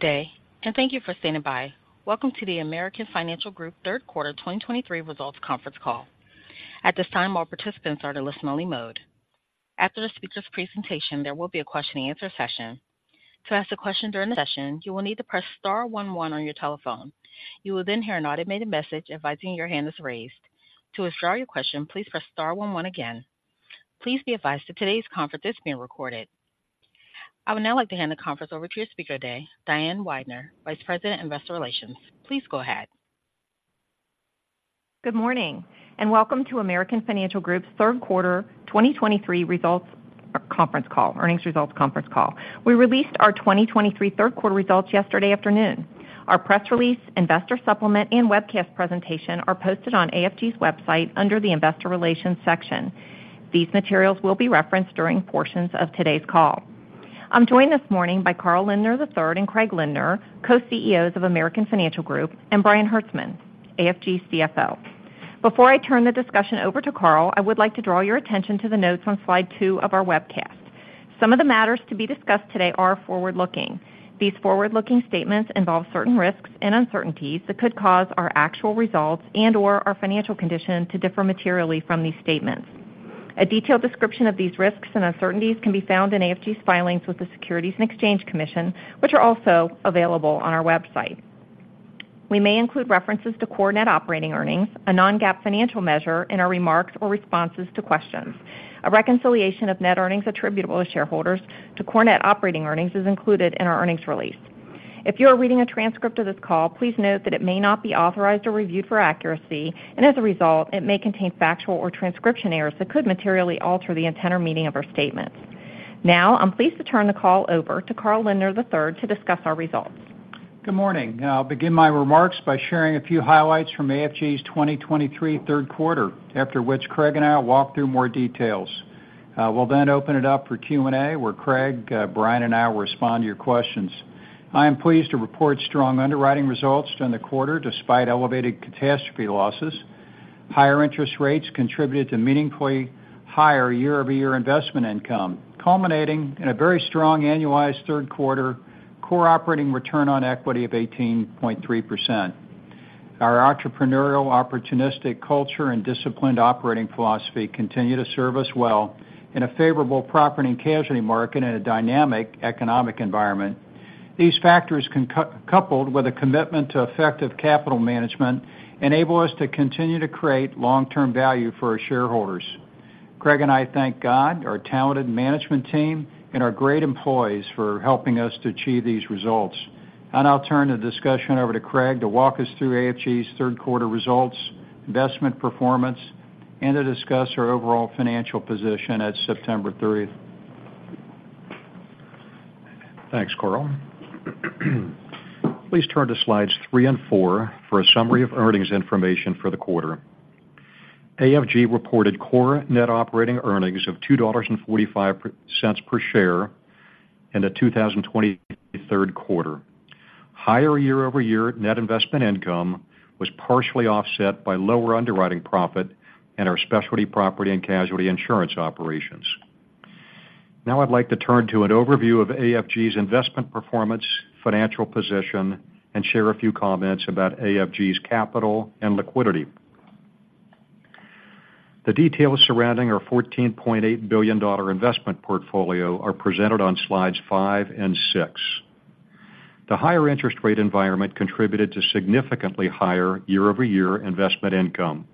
Good day, and thank you for standing by. Welcome to the American Financial Group Q3 2023 Results Conference Call. At this time, all participants are in listen-only mode. After the speaker's presentation, there will be a question and answer session. To ask a question during the session, you will need to press star one one on your telephone. You will then hear an automated message advising your hand is raised. To withdraw your question, please press star one one again. Please be advised that today's conference is being recorded. I would now like to hand the conference over to your speaker today, Diane Weidner, Vice President, Investor Relations. Please go ahead. Good morning, and welcome to American Financial Group's Q3 2023 Earnings Results Conference Call. We released our 2023 Q3 results yesterday afternoon. Our press release, investor supplement, and webcast presentation are posted on AFG's website under the Investor Relations section. These materials will be referenced during portions of today's call. I'm joined this morning by Carl Lindner III and Craig Lindner, Co-CEOs of American Financial Group, and Brian Hertzman, AFG's CFO. Before I turn the discussion over to Carl, I would like to draw your attention to the notes on slide 2 of our webcast. Some of the matters to be discussed today are forward-looking. These forward-looking statements involve certain risks and uncertainties that could cause our actual results and/or our financial condition to differ materially from these statements. A detailed description of these risks and uncertainties can be found in AFG's filings with the Securities and Exchange Commission, which are also available on our website. We may include references to core net operating earnings, a non-GAAP financial measure, in our remarks or responses to questions. A reconciliation of net earnings attributable to shareholders to core net operating earnings is included in our earnings release. If you are reading a transcript of this call, please note that it may not be authorized or reviewed for accuracy, and as a result, it may contain factual or transcription errors that could materially alter the intent or meaning of our statements. Now, I'm pleased to turn the call over to Carl Lindner III to discuss our results. Good morning. I'll begin my remarks by sharing a few highlights from AFG's 2023 Q3, after which Craig and I will walk through more details. We'll then open it up for Q&A, where Craig, Brian, and I will respond to your questions. I am pleased to report strong underwriting results during the quarter, despite elevated catastrophe losses. Higher interest rates contributed to meaningfully higher year-over-year investment income, culminating in a very strong annualized Q3 core operating return on equity of 18.3%. Our entrepreneurial, opportunistic culture and disciplined operating philosophy continue to serve us well in a favorable property and casualty market and a dynamic economic environment. These factors, coupled with a commitment to effective capital management, enable us to continue to create long-term value for our shareholders. Craig and I thank God, our talented management team, and our great employees for helping us to achieve these results. I'll turn the discussion over to Craig to walk us through AFG's Q3 results, investment performance, and to discuss our overall financial position at September 30. Thanks, Carl. Please turn to slides 3 and 4 for a summary of earnings information for the quarter. AFG reported core net operating earnings of $2.45 per share in the 2023 Q3. Higher year-over-year net investment income was partially offset by lower underwriting profit in our Specialty Property and Casualty insurance operations. Now I'd like to turn to an overview of AFG's investment performance, financial position, and share a few comments about AFG's capital and liquidity. The details surrounding our $14.8 billion investment portfolio are presented on slides 5 and 6. The higher interest rate environment contributed to significantly higher year-over-year investment income.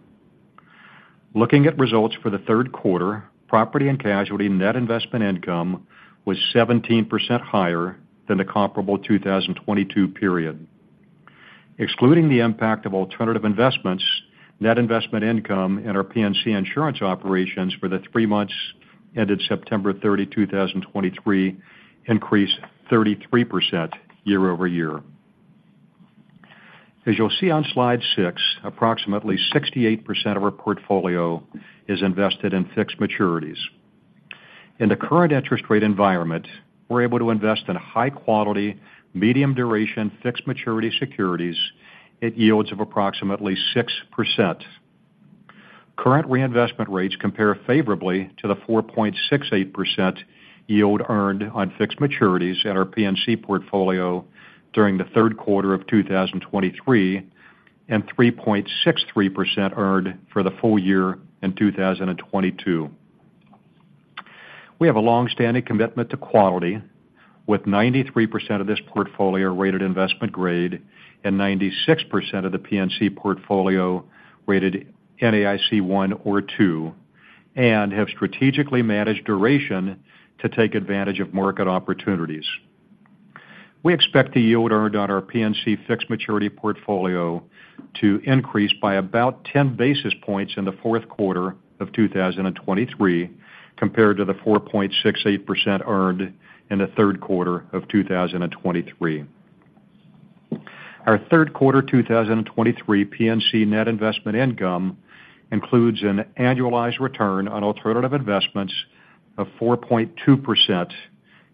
Looking at results for the Q3, property and casualty net investment income was 17% higher than the comparable 2022 period. Excluding the impact of alternative investments, net investment income in our P&C insurance operations for the three months ended September 30, 2023, increased 33% year-over-year. As you'll see on slide 6, approximately 68% of our portfolio is invested in fixed maturities. In the current interest rate environment, we're able to invest in high quality, medium duration, fixed maturity securities at yields of approximately 6%. Current reinvestment rates compare favorably to the 4.68% yield earned on fixed maturities at our P&C portfolio during the Q3 of 2023, and 3.63% earned for the full year in 2022. We have a long-standing commitment to quality, with 93% of this portfolio rated investment grade and 96% of the P&C portfolio rated NAIC One or Two, and have strategically managed duration to take advantage of market opportunities. We expect the yield earned on our P&C fixed maturity portfolio to increase by about 10 basis points in the fourth quarter of 2023, compared to the 4.68% earned in the Q3 of 2023. Our Q3 2023 P&C net investment income includes an annualized return on alternative investments of 4.2%,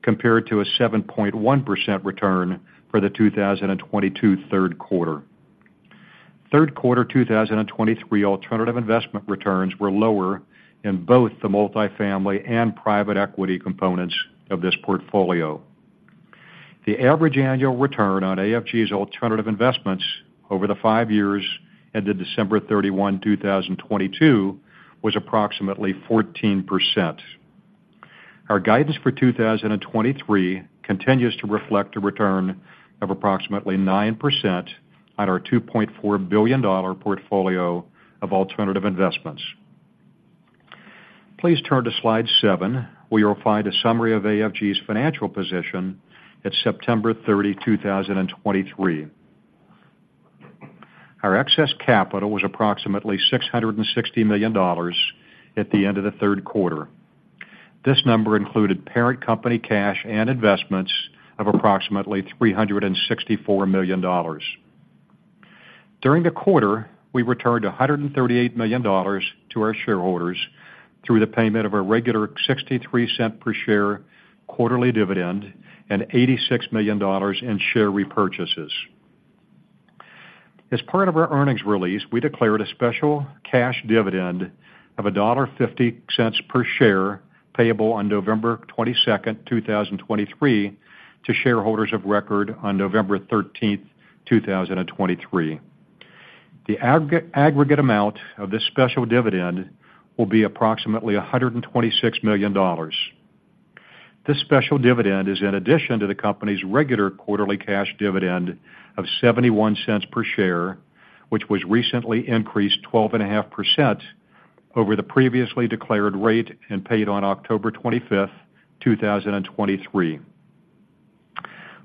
compared to a 7.1% return for the 2022 Q3.... Q3 2023 alternative investment returns were lower in both the multifamily and private equity components of this portfolio. The average annual return on AFG's alternative investments over the 5 years ended December 31, 2022, was approximately 14%. Our guidance for 2023 continues to reflect a return of approximately 9% on our $2.4 billion portfolio of alternative investments. Please turn to slide 7, where you'll find a summary of AFG's financial position at September 30, 2023. Our excess capital was approximately $660 million at the end of the Q3. This number included parent company cash and investments of approximately $364 million. During the quarter, we returned $138 million to our shareholders through the payment of a regular $0.63 per share quarterly dividend and $86 million in share repurchases. As part of our earnings release, we declared a special cash dividend of $1.50 per share, payable on November 22, 2023, to shareholders of record on November 13, 2023. The aggregate amount of this special dividend will be approximately $126 million. This special dividend is in addition to the company's regular quarterly cash dividend of $0.71 per share, which was recently increased 12.5% over the previously declared rate and paid on October 25, 2023.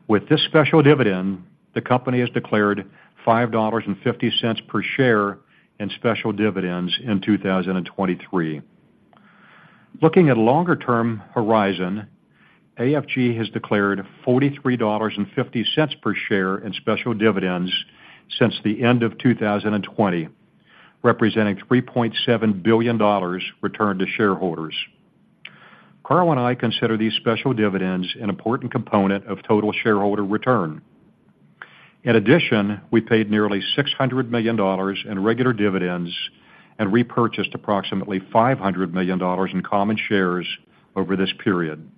With this special dividend, the company has declared $5.50 per share in special dividends in 2023. Looking at longer-term horizon, AFG has declared $43.50 per share in special dividends since the end of 2020, representing $3.7 billion returned to shareholders. Carl and I consider these special dividends an important component of total shareholder return. In addition, we paid nearly $600 million in regular dividends and repurchased approximately $500 million in common shares over this period.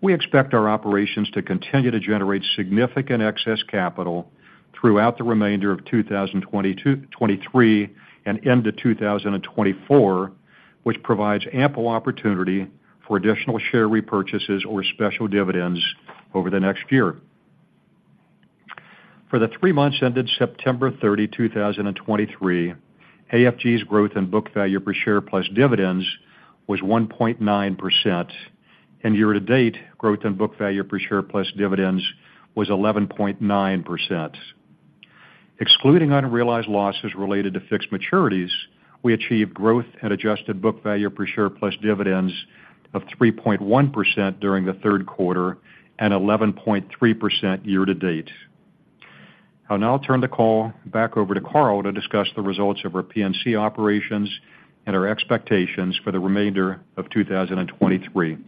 We expect our operations to continue to generate significant excess capital throughout the remainder of 2022-2023, and into 2024, which provides ample opportunity for additional share repurchases or special dividends over the next year. For the three months ended September 30, 2023, AFG's growth in book value per share plus dividends was 1.9%, and year-to-date growth in book value per share plus dividends was 11.9%. Excluding unrealized losses related to fixed maturities, we achieved growth at adjusted book value per share plus dividends of 3.1% during the Q3 and 11.3% year to date. I'll now turn the call back over to Carl to discuss the results of our P&C operations and our expectations for the remainder of 2023.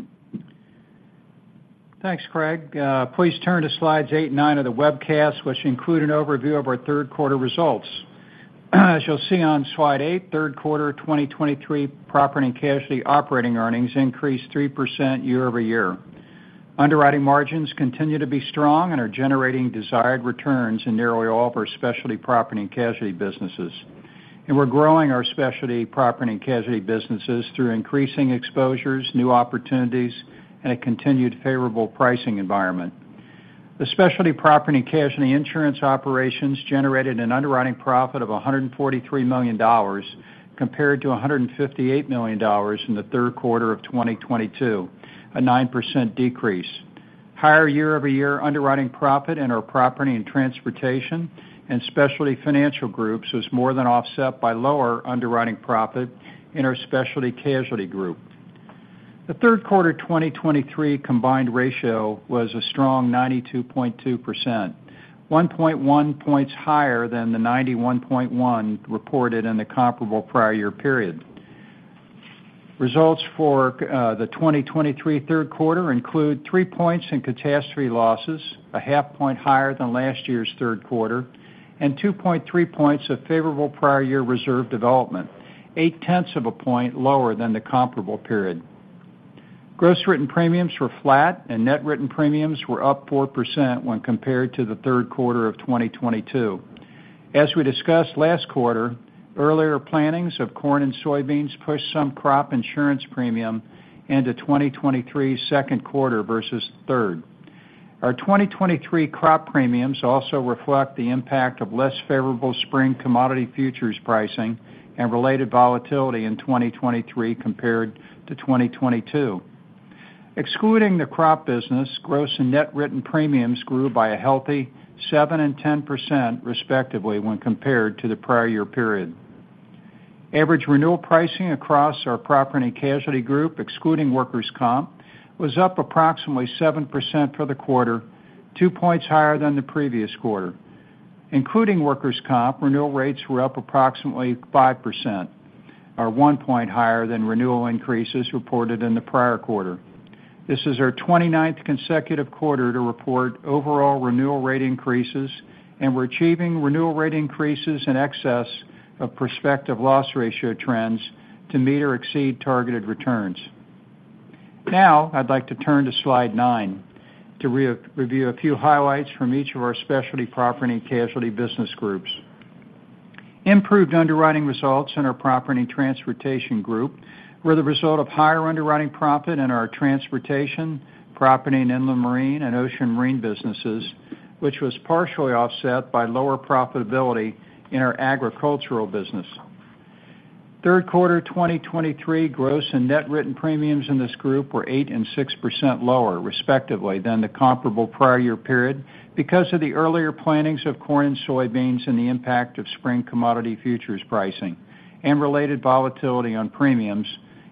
Thanks, Craig. Please turn to slides 8 and 9 of the webcast, which include an overview of our Q3 results. As you'll see on slide 8, Q3 2023, property and casualty operating earnings increased 3% year-over-year. Underwriting margins continue to be strong and are generating desired returns in nearly all of our Specialty Property and Casualty businesses. We're growing our Specialty Property and Casualty businesses through increasing exposures, new opportunities, and a continued favorable pricing environment. The Specialty Property and Casualty insurance operations generated an underwriting profit of $143 million, compared to $158 million in the Q3 of 2022, a 9% decrease. Higher year-over-year underwriting profit in our Property and Transportation and Specialty Financial groups was more than offset by lower underwriting profit in our Specialty Casualty group. The Q3 2023 Combined Ratio was a strong 92.2%, 1.1 points higher than the 91.1 reported in the comparable prior year period. Results for the 2023 Q3 include 3 points in catastrophe losses, a 0.5 point higher than last year's Q3, and 2.3 points of favorable prior year reserve development, 0.8 point lower than the comparable period. Gross Written Premiums were flat and Net Written Premiums were up 4% when compared to the Q3 of 2022. As we discussed last quarter, earlier plantings of corn and soybeans pushed some crop insurance premium into 2023's Q2 versus Q3. Our 2023 crop premiums also reflect the impact of less favorable spring commodity futures pricing and related volatility in 2023 compared to 2022. Excluding the crop business, gross and net written premiums grew by a healthy 7% and 10%, respectively, when compared to the prior year period. Average renewal pricing across our property and casualty group, excluding workers' comp, was up approximately 7% for the quarter, 2 points higher than the previous quarter. Including workers' comp, renewal rates were up approximately 5%, or 1 point higher than renewal increases reported in the prior quarter... This is our 29th consecutive quarter to report overall renewal rate increases, and we're achieving renewal rate increases in excess of prospective loss ratio trends to meet or exceed targeted returns. Now, I'd like to turn to slide 9 to review a few highlights from each of our Specialty Property and Casualty business groups. Improved underwriting results in our Property and Transportation group were the result of higher underwriting profit in our transportation, Property and Inland Marine, and Ocean Marine businesses, which was partially offset by lower profitability in our agricultural business. Q3 2023 gross and net written premiums in this group were 8% and 6% lower, respectively, than the comparable prior year period, because of the earlier plantings of corn and soybeans and the impact of spring commodity futures pricing and related volatility on premiums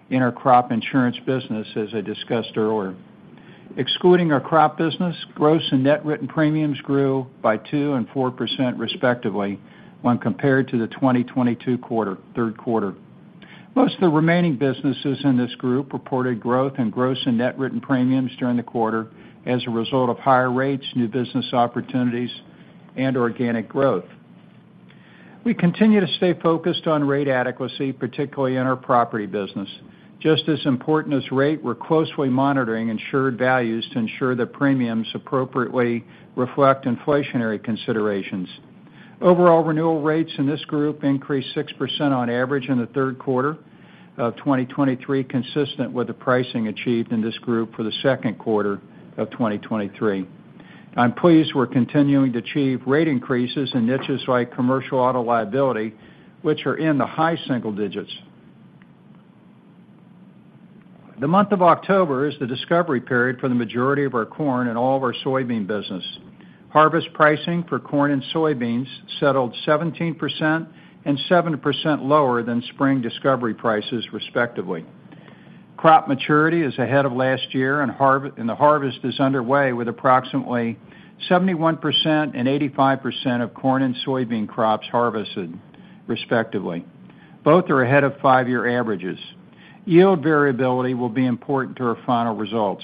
in our crop insurance business, as I discussed earlier. Excluding our crop business, gross and net written premiums grew by 2% and 4%, respectively, when compared to the 2022 Q3. Most of the remaining businesses in this group reported growth in gross and net written premiums during the quarter as a result of higher rates, new business opportunities, and organic growth. We continue to stay focused on rate adequacy, particularly in our property business. Just as important as rate, we're closely monitoring insured values to ensure that premiums appropriately reflect inflationary considerations. Overall renewal rates in this group increased 6% on average in the Q3 of 2023, consistent with the pricing achieved in this group for the Q2 of 2023. I'm pleased we're continuing to achieve rate increases in niches like commercial auto liability, which are in the high single digits. The month of October is the discovery period for the majority of our corn and all of our soybean business. Harvest pricing for corn and soybeans settled 17% and 7% lower than spring discovery prices, respectively. Crop maturity is ahead of last year, and the harvest is underway, with approximately 71% and 85% of corn and soybean crops harvested, respectively. Both are ahead of five-year averages. Yield variability will be important to our final results.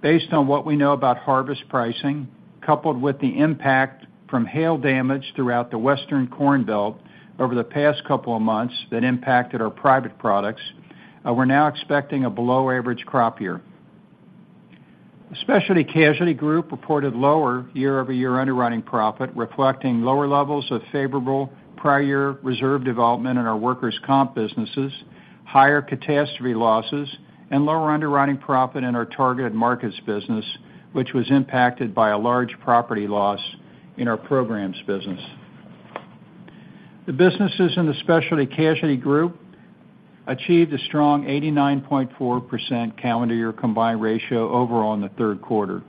Based on what we know about harvest pricing, coupled with the impact from hail damage throughout the Western Corn Belt over the past couple of months that impacted our private products, we're now expecting a below-average crop year. The Specialty Casualty group reported lower year-over-year underwriting profit, reflecting lower levels of favorable prior year reserve development in our workers' comp businesses, higher catastrophe losses, and lower underwriting profit in our Targeted Markets business, which was impacted by a large property loss in our programs business. The businesses in the Specialty Casualty group achieved a strong 89.4% calendar year combined ratio overall in the Q3,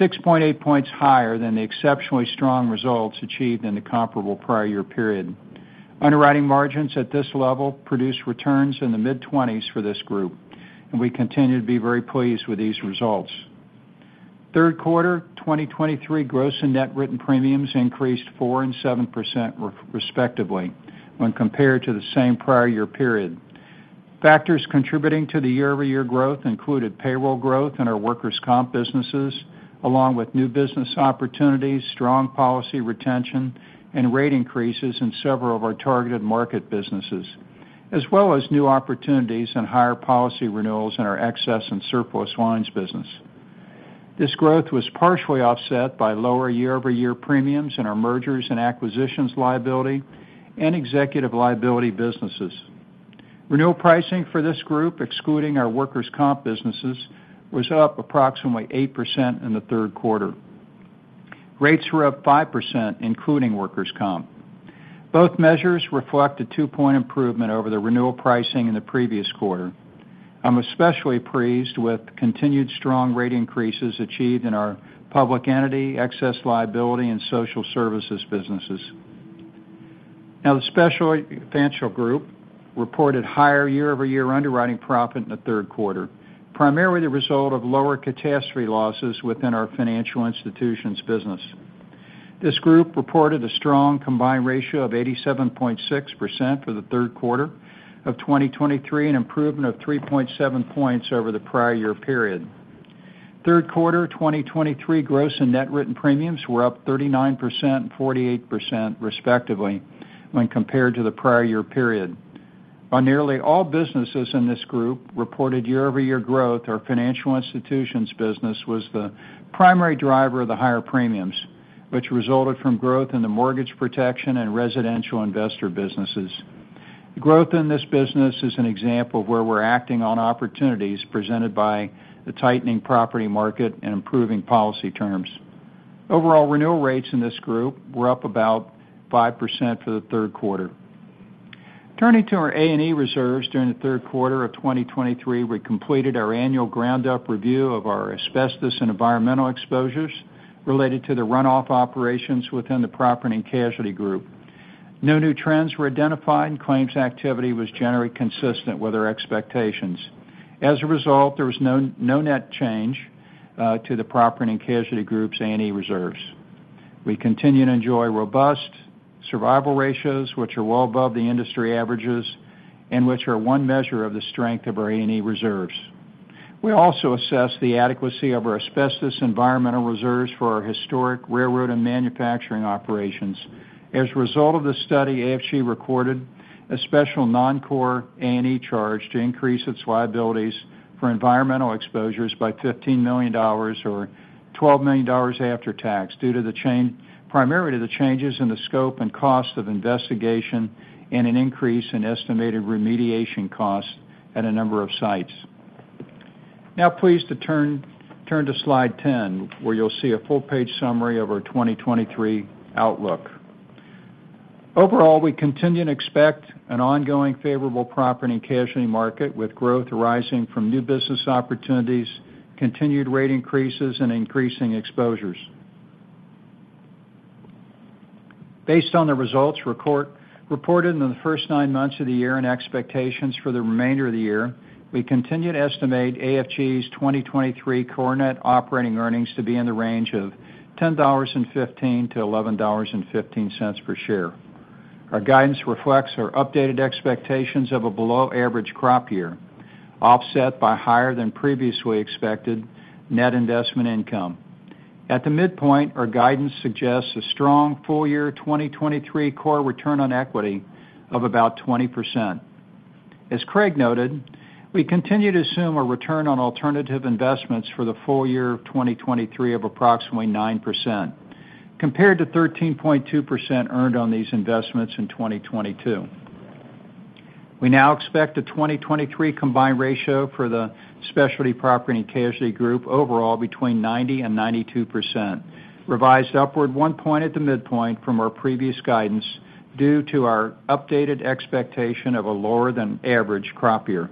6.8 points higher than the exceptionally strong results achieved in the comparable prior year period. Underwriting margins at this level produce returns in the mid-20s for this group, and we continue to be very pleased with these results. Q3 2023 gross and net written premiums increased 4% and 7% respectively when compared to the same prior year period. Factors contributing to the year-over-year growth included payroll growth in our workers' comp businesses, along with new business opportunities, strong policy retention, and rate increases in several of our targeted market businesses, as well as new opportunities and higher policy renewals in our excess and surplus lines business. This growth was partially offset by lower year-over-year premiums in our mergers and acquisitions liability and executive liability businesses. Renewal pricing for this group, excluding our workers' comp businesses, was up approximately 8% in the Q3. Rates were up 5%, including workers' comp. Both measures reflect a 2-point improvement over the renewal pricing in the previous quarter. I'm especially pleased with the continued strong rate increases achieved in our Public Entity, excess liability, and Social Services businesses. Now, the Specialty Financial Group reported higher year-over-year underwriting profit in the Q3, primarily the result of lower catastrophe losses within our Financial Institutions business. This group reported a strong combined ratio of 87.6% for the Q3 of 2023, an improvement of 3.7 points over the prior year period. Q3 2023 gross and net written premiums were up 39% and 48%, respectively, when compared to the prior year period. On nearly all businesses in this group reported year-over-year growth, our Financial Institutions business was the primary driver of the higher premiums, which resulted from growth in the mortgage protection and residential investor businesses. The growth in this business is an example of where we're acting on opportunities presented by the tightening property market and improving policy terms. Overall, renewal rates in this group were up about 5% for the Q3. Turning to our A&E reserves during the Q3 of 2023, we completed our annual ground-up review of our asbestos and environmental exposures related to the runoff operations within the Property and Casualty group. No new trends were identified, and claims activity was generally consistent with our expectations. As a result, there was no net change to the Property and Casualty group's A&E reserves. We continue to enjoy robust survival ratios, which are well above the industry averages and which are one measure of the strength of our A&E reserves. We also assess the adequacy of our asbestos environmental reserves for our historic railroad and manufacturing operations. As a result of this study, AFG recorded a special non-core A&E charge to increase its liabilities for environmental exposures by $15 million, or $12 million after tax, primarily to the changes in the scope and cost of investigation and an increase in estimated remediation costs at a number of sites. Now, please turn to slide 10, where you'll see a full-page summary of our 2023 outlook. Overall, we continue to expect an ongoing favorable property and casualty market, with growth arising from new business opportunities, continued rate increases, and increasing exposures. Based on the results reported in the first nine months of the year and expectations for the remainder of the year, we continue to estimate AFG's 2023 core net operating earnings to be in the range of $10.15-$11.15 per share. Our guidance reflects our updated expectations of a below-average crop year, offset by higher than previously expected net investment income. At the midpoint, our guidance suggests a strong full year 2023 core return on equity of about 20%. As Craig noted, we continue to assume a return on alternative investments for the full year of 2023 of approximately 9%, compared to 13.2% earned on these investments in 2022. We now expect a 2023 combined ratio for the Specialty Property and Casualty group overall between 90% and 92%, revised upward 1 point at the midpoint from our previous guidance, due to our updated expectation of a lower-than-average crop year.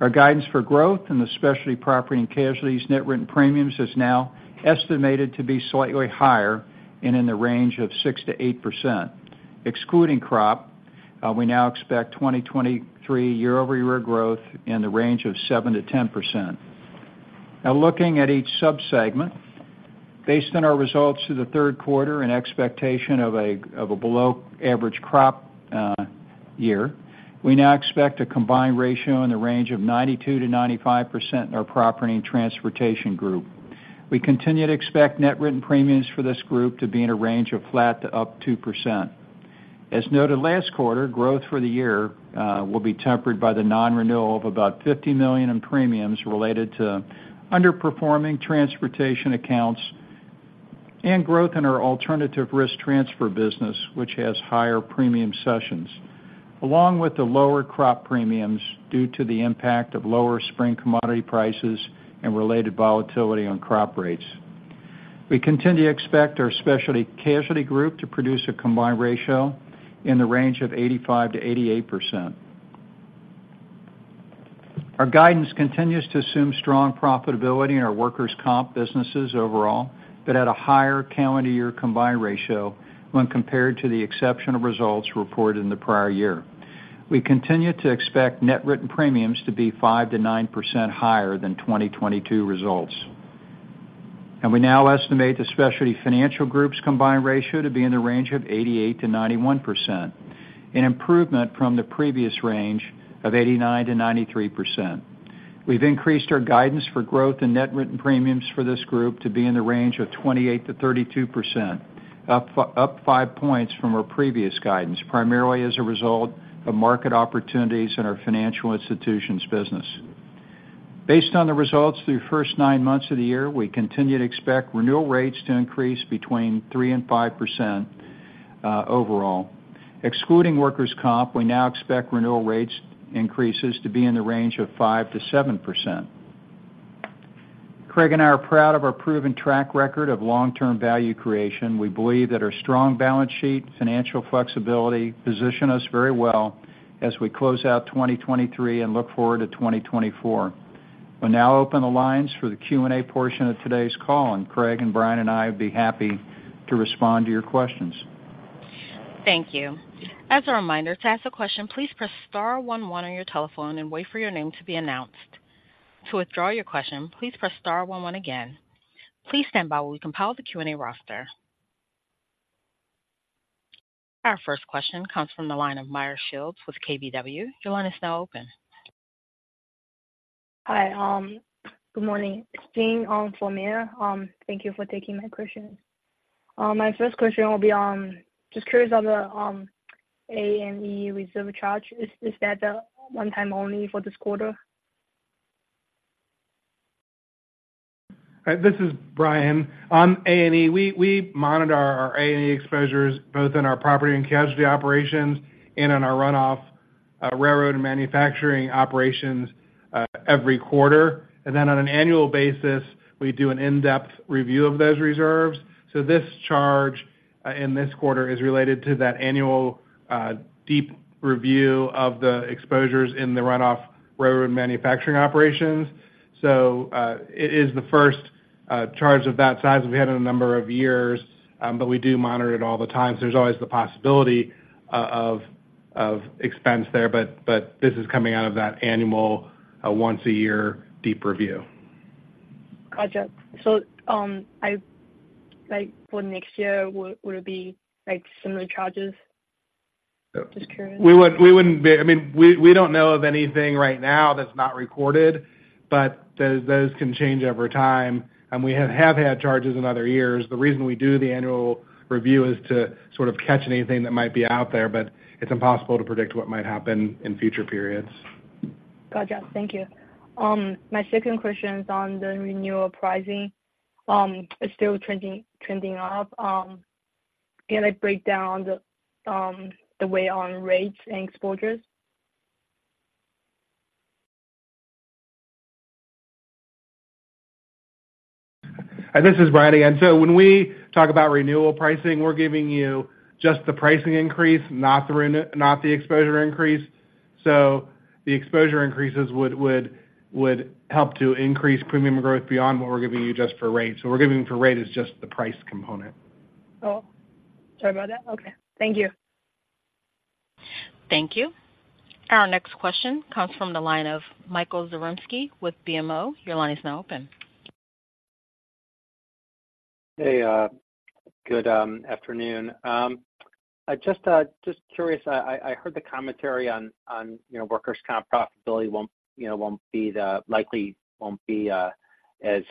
Our guidance for growth in the Specialty Property and Casualty's net written premiums is now estimated to be slightly higher and in the range of 6%-8%. Excluding crop, we now expect 2023 year-over-year growth in the range of 7%-10%. Now looking at each sub-segment. Based on our results through the Q3 and expectation of a below-average crop year, we now expect a combined ratio in the range of 92%-95% in our Property and Transportation group. We continue to expect net written premiums for this group to be in a range of flat to up 2%. As noted last quarter, growth for the year will be tempered by the non-renewal of about $50 million in premiums related to underperforming transportation accounts and growth in our alternative risk transfer business, which has higher premium cessions, along with the lower crop premiums due to the impact of lower spring commodity prices and related volatility on crop rates. We continue to expect our Specialty Casualty group to produce a combined ratio in the range of 85%-88%. Our guidance continues to assume strong profitability in our workers' comp businesses overall, but at a higher calendar year combined ratio when compared to the exceptional results reported in the prior year. We continue to expect net written premiums to be 5%-9% higher than 2022 results. We now estimate the Specialty Financial group's combined ratio to be in the range of 88%-91%, an improvement from the previous range of 89%-93%. We've increased our guidance for growth and net written premiums for this group to be in the range of 28%-32%, up 5 points from our previous guidance, primarily as a result of market opportunities in our Financial Institutions business. Based on the results through the first 9 months of the year, we continue to expect renewal rates to increase between 3% and 5%, overall. Excluding workers' comp, we now expect renewal rates increases to be in the range of 5%-7%. Craig and I are proud of our proven track record of long-term value creation. We believe that our strong balance sheet, financial flexibility, position us very well as we close out 2023 and look forward to 2024. We'll now open the lines for the Q&A portion of today's call, and Craig, and Brian, and I would be happy to respond to your questions. Thank you. As a reminder, to ask a question, please press star one one on your telephone and wait for your name to be announced. To withdraw your question, please press star one one again. Please stand by while we compile the Q&A roster. Our first question comes from the line of Meyer Shields with KBW. Your line is now open. Hi, good morning. It's Jing for Meyer. Thank you for taking my question. My first question will be just curious on the A&E reserve charge. Is that a one-time only for this quarter? This is Brian. On A&E, we monitor our A&E exposures both in our property and casualty operations and in our runoff railroad and manufacturing operations every quarter. Then on an annual basis, we do an in-depth review of those reserves. This charge, in this quarter, is related to that annual deep review of the exposures in the runoff railroad manufacturing operations. It is the first charge of that size we've had in a number of years, but we do monitor it all the time. There's always the possibility of expense there, but this is coming out of that any more, once a year deep review. Got you. So, I like, for next year, would it be like similar charges? Just curious. We wouldn't be. I mean, we don't know of anything right now that's not recorded, but those can change over time, and we have had charges in other years. The reason we do the annual review is to catch anything that might be out there, but it's impossible to predict what might happen in future periods. Got you, thank you. My second question is on the renewal pricing. It's still trending, trending up. Can I break down on the, the way on rates and exposures? Hi, this is Brian again. So when we talk about renewal pricing, we're giving you just the pricing increase, not the exposure increase. So the exposure increases would help to increase premium growth beyond what we're giving you just for rate. So we're giving for rate is just the price component. Oh, sorry about that. Okay. Thank you. Thank you. Our next question comes from the line of Michael Zaremski with BMO. Your line is now open. Hey, good afternoon. I just curious, I heard the commentary on, you know, workers' comp profitability won't, you know, likely won't be as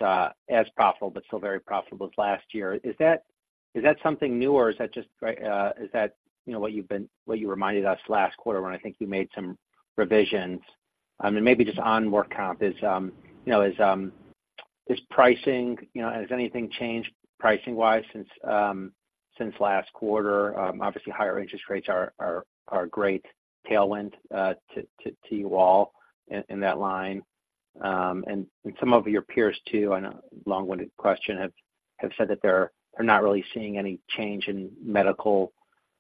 profitable, but still very profitable as last year. Is that something new, or is that just, you know, what you've been, what you reminded us last quarter when I think you made some revisions? I mean, maybe just on work comp, is, you know, is pricing, you know, has anything changed pricing-wise since last quarter? Obviously, higher interest rates are a great tailwind to you all in that line. Some of your peers, too, I know, long-winded question, have said that they're not really seeing any change in medical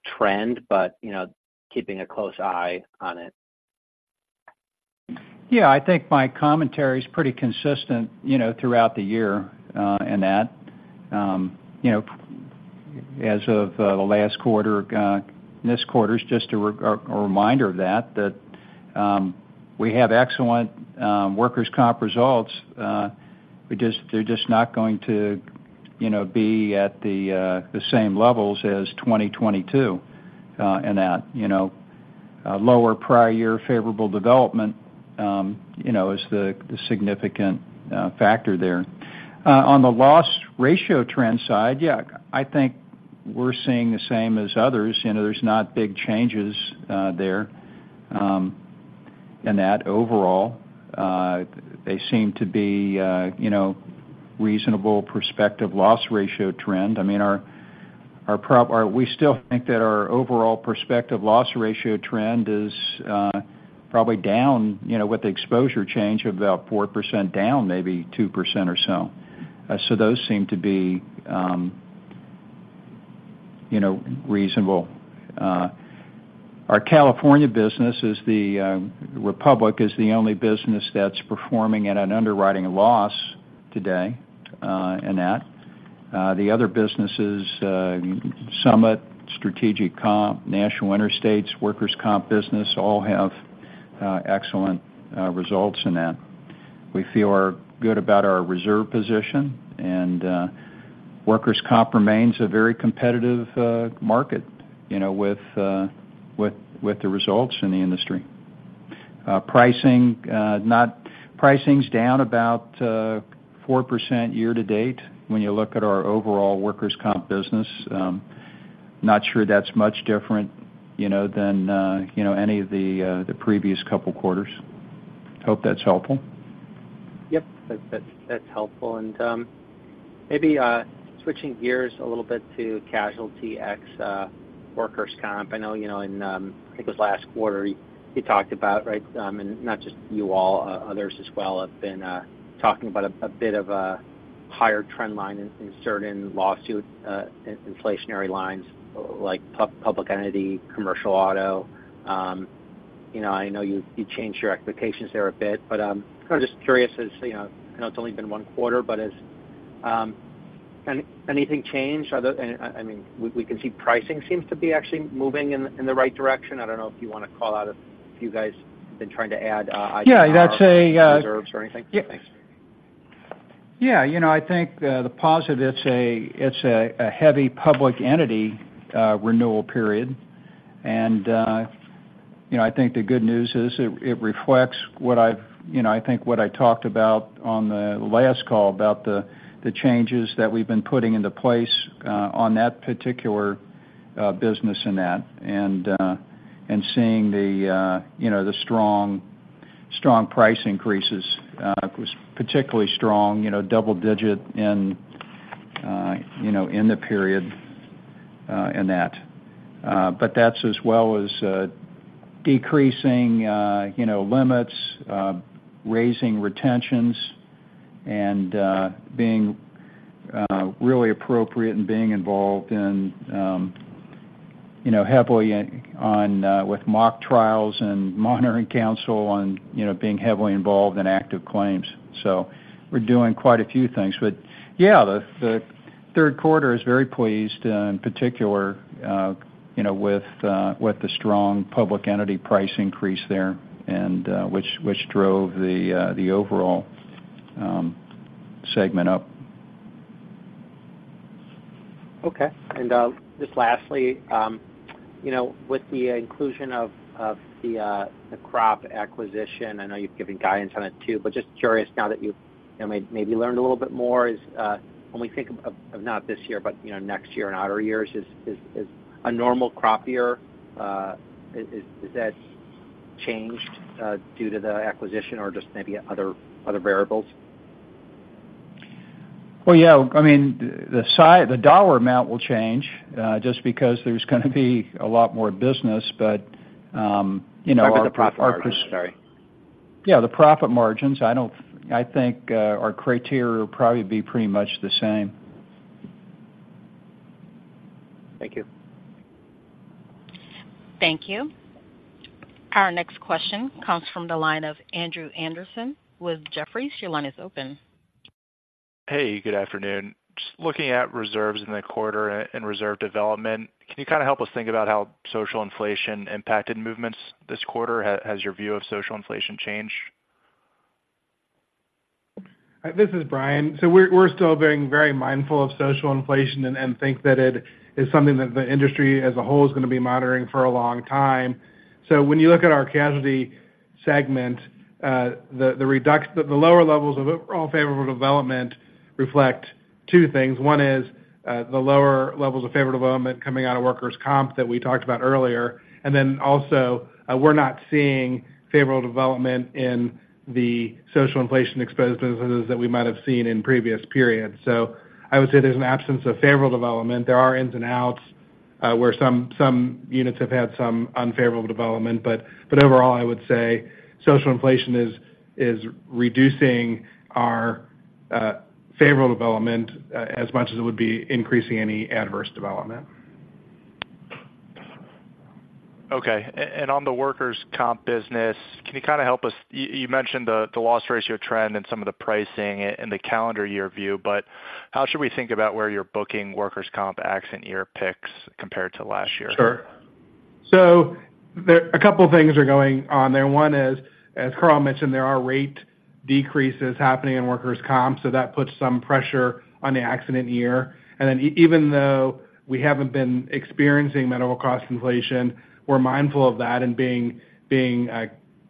trend, but, you know, keeping a close eye on it. Yeah, I think my commentary is pretty consistent, you know, throughout the year, in that. You know, as of the last quarter, this quarter's just a reminder of that, that we have excellent workers' comp results. They're just not going to, you know, be at the same levels as 2022, in that, you know. Lower prior year favorable development, you know, is the significant factor there. On the loss ratio trend side, yeah, I think we're seeing the same as others. There's not big changes there, and that overall, they seem to be, you know, reasonable prospective loss ratio trend. We still think that our overall prospective loss ratio trend is probably down, you know, with the exposure change, about 4% down, maybe 2% or so. So those seem to be reasonable. Our California business is the Republic is the only business that's performing at an underwriting loss today, in that. The other businesses, Summit, Strategic Comp, National Interstate, workers' comp business, all have excellent results in that. We feel are good about our reserve position, and workers' comp remains a very competitive market, you know, with the results in the industry. Pricing's down about 4% year to date when you look at our overall workers' comp business. Not sure that's much different, you know, than you know, any of the previous couple quarters. Hope that's helpful. Yep, that's helpful. Maybe, switching gears a little bit to casualty ex workers' comp. I know, you know, in, I think it was last quarter, you talked about, right? Not just you all, others as well, have been talking about a bit of a higher trend line in certain lawsuit inflationary lines like Public Entity, commercial auto. You know, I know you changed your expectations there a bit, but, I'm just curious as, you know, I know it's only been one quarter, but has anything changed? Are the... I mean, we can see pricing seems to be actually moving in the right direction. I don't know if you want to call out if you guys have been trying to add, Yeah, that's a, Reserves or anything? Yeah. Thanks. Yeah I think the positive, it's a heavy Public Entity renewal period. I think the good news is it reflects what I've, you know, I think what I talked about on the last call, about the changes that we've been putting into place on that particular business in that, and seeing the strong, strong price increases was particularly strong, you know, double digit in, you know, in the period in that. That's as well as decreasing, you know, limits, raising retentions and being really appropriate and being involved in, you know, heavily in on with mock trials and monitoring counsel and, you know, being heavily involved in active claims. So we're doing quite a few things. Yeah, Q3 is very pleased, in particular, you know, with the strong Public Entity price increase there, and which drove the overall segment up. Okay. Just lastly, with the inclusion of the crop acquisition, I know you've given guidance on it, too, but just curious now that you've, you know, maybe learned a little bit more, is when we think of not this year, but you know, next year and outer years, is a normal crop year, is that changed due to the acquisition or just maybe other variables? Well, yeah, I mean, the dollar amount will change, just because there's going to be a lot more business, but, you know, our, our- The profit margin, sorry. Yeah, the profit margins. I don't, I think, our criteria will probably be pretty much the same. Thank you. Thank you. Our next question comes from the line of Andrew Andersen with Jefferies. Your line is open. Hey, good afternoon. Just looking at reserves in the quarter and reserve development, can you help us think about how social inflation impacted movements this quarter? Has your view of social inflation changed? This is Brian. So we're still being very mindful of social inflation and think that it is something that the industry as a whole is going to be monitoring for a long time. So when you look at our casualty segment, the lower levels of overall favorable development reflect two things. One is the lower levels of favorable development coming out of workers' comp that we talked about earlier. Then also, we're not seeing favorable development in the social inflation exposed businesses that we might have seen in previous periods. I would say there's an absence of favorable development. There are ins and outs where some units have had some unfavorable development. Overall, I would say Social Inflation is reducing our favorable development as much as it would be increasing any adverse development. Okay. On the workers' comp business, can you help us... You mentioned the loss ratio trend and some of the pricing in the calendar year view, but how should we think about where you're booking workers' comp accident year picks compared to last year? Sure. So a couple things are going on there. One is, as Carl mentioned, there are rate decreases happening in workers' comp, so that puts some pressure on the accident year. Then even though we haven't been experiencing medical cost inflation, we're mindful of that and being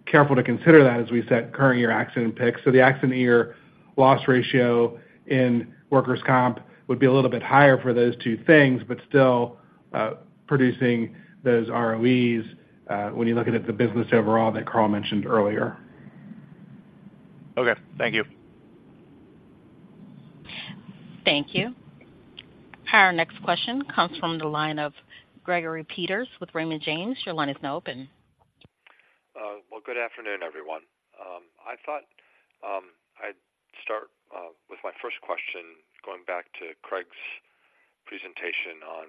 careful to consider that as we set current year accident picks. So the accident year loss ratio in workers' comp would be a little bit higher for those two things, but still producing those ROEs when you're looking at the business overall that Carl mentioned earlier. Okay. Thank you. Thank you. Our next question comes from the line of Gregory Peters with Raymond James. Your line is now open. Well, good afternoon, everyone. I thought I'd start with my first question, going back to Craig's presentation on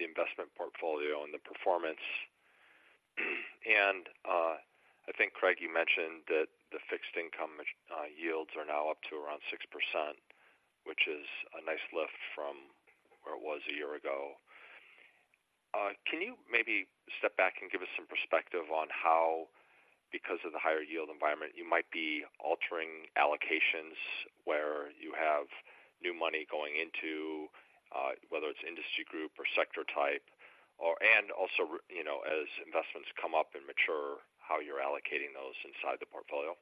the investment portfolio and the performance. I think, Craig, you mentioned that the fixed income yields are now up to around 6%, which is a nice lift from where it was a year ago. Can you maybe step back and give us some perspective on how, because of the higher yield environment, you might be altering allocations where you have new money going into whether it's industry group or sector type, or and also, you know, as investments come up and mature, how you're allocating those inside the portfolio?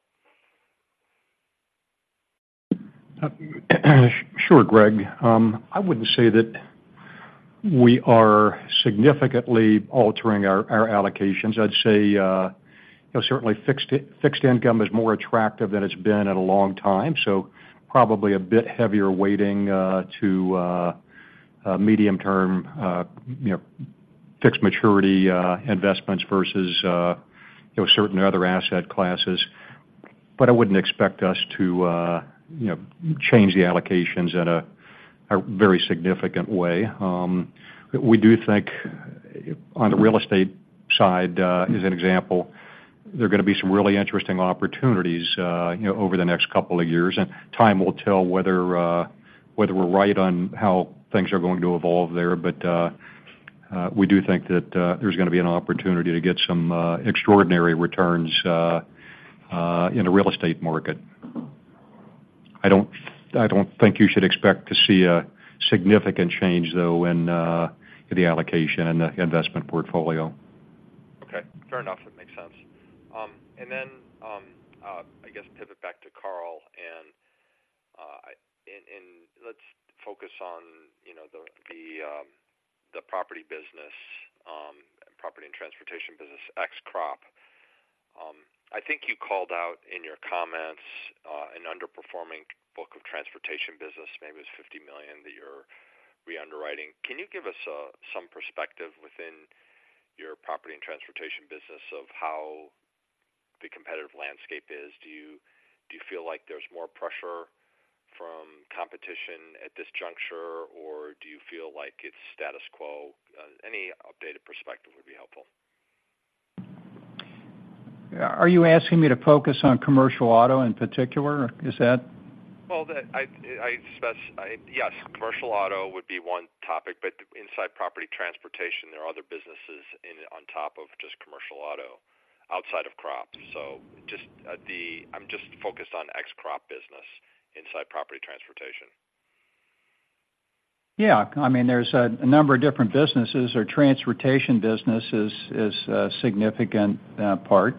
Sure, Greg. I wouldn't say that we are significantly altering our, our allocations. I'd say, you know, certainly fixed income is more attractive than it's been in a long time, so probably a bit heavier weighting to a medium term, you know, fixed maturity investments versus, you know, certain other asset classes. I wouldn't expect us to, you know, change the allocations in a, a very significant way. We do think on the real estate side, as an example, there are going to be some really interesting opportunities, you know, over the next couple of years, and time will tell whether, whether we're right on how things are going to evolve there. We do think that there's going to be an opportunity to get some extraordinary returns in the real estate market. I don't, I don't think you should expect to see a significant change, though, in the allocation and the investment portfolio. Okay, fair enough. That makes sense. Then, I guess pivot back to Carl, and, and let's focus on, you know, the, the, the property business, and Property and Transportation business, ex crop. I think you called out in your comments, an underperforming book of transportation business. Maybe it was $50 million that you're re-underwriting. Can you give us, some perspective within your Property and Transportation business of how the competitive landscape is? Do you, do you feel like there's more pressure from competition at this juncture, or do you feel like it's status quo? Any updated perspective would be helpful. Are you asking me to focus on commercial auto in particular? Is that- Well, yes, commercial auto would be one topic, but inside property transportation, there are other businesses in on top of just commercial auto, outside of crop. So just, I'm just focused on ex-crop business inside property transportation. Yeah, I mean, there's a number of different businesses. Our transportation business is a significant part.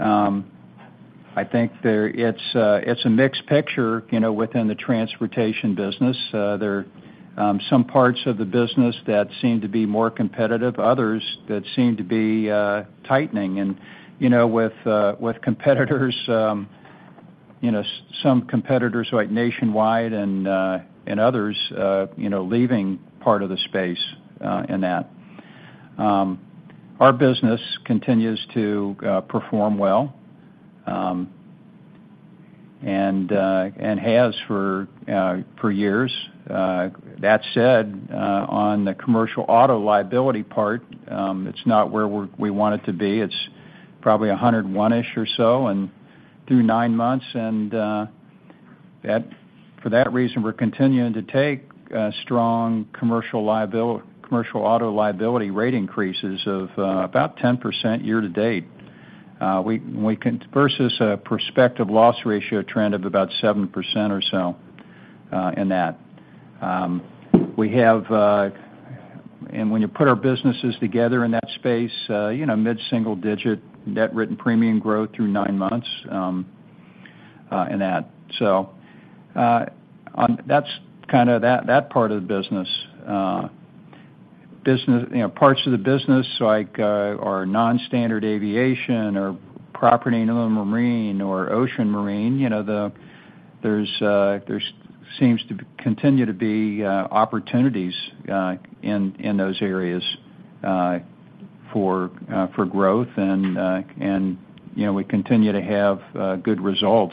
I think it's a mixed picture, you know, within the transportation business. Some parts of the business that seem to be more competitive, others that seem to be tightening. You know, with competitors, some competitors, like Nationwide and others, you know, leaving part of the space, in that. Our business continues to perform well, and has for years. That said, on the commercial auto liability part, it's not where we want it to be. It's probably 101-ish or so, and through nine months, and that—for that reason, we're continuing to take strong commercial liability, commercial auto liability rate increases of about 10% year to date. Versus a prospective loss ratio trend of about 7% or so, in that. When you put our businesses together in that space, you know, mid-single digit net written premium growth through nine months, in that. That's, that part of the business. Business, you know, parts of the business, like, our non-standard aviation or property and marine or Ocean Marine, you know, there's seems to continue to be opportunities in those areas for growth, and, you know, we continue to have good results.